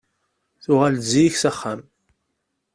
Tuɣal-d zik s axxam.